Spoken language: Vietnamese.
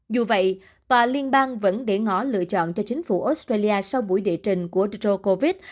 dù vậy tòa liên bang vẫn để ngõ lựa chọn cho chính phủ australia sau buổi đệ trình của jokovic